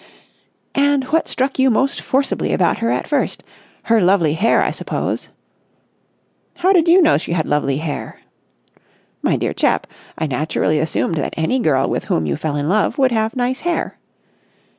"And what struck you most forcibly about her at first? Her lovely hair, I suppose?" "How did you know she had lovely hair?" "My dear chap, I naturally assumed that any girl with whom you fell in love would have nice hair."